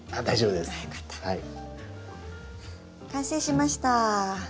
完成しました。